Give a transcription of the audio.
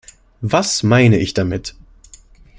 Was meine ich damit?